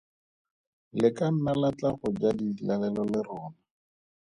Le ka nna la tla go ja dilalelo le rona.